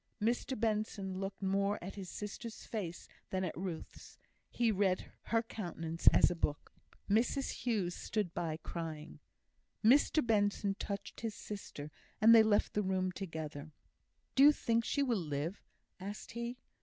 Mr Benson looked more at his sister's face than at Ruth's; he read her countenance as a book. Mrs Hughes stood by, crying. Mr Benson touched his sister, and they left the room together. "Do you think she will live?" asked he.